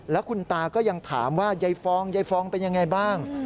แล้วคุณตาก็ยังถามว่ายายฟองยายฟองเป็นยังไงบ้าง